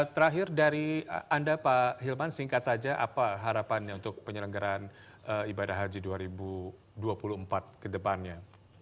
terakhir dari anda pak hilman singkat saja apa harapannya untuk penyelenggaran ibadah haji dua ribu dua puluh empat ke depannya